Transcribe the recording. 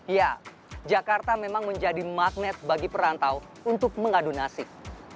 ya jakarta memang menjadi magnet bagi perantau untuk mengadu nasib